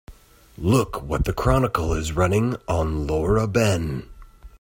Look what the Chronicle is running on Laura Ben.